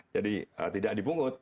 jadi tidak dipungut